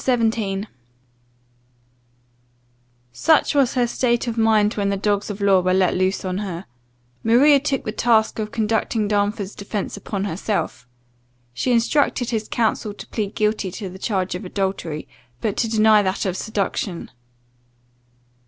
CHAPTER 17 SUCH was her state of mind when the dogs of law were let loose on her. Maria took the task of conducting Darnford's defence upon herself. She instructed his counsel to plead guilty to the charge of adultery; but to deny that of seduction.